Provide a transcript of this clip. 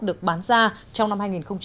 được bán ra trong năm hai nghìn một mươi bảy